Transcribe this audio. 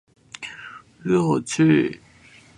弱智？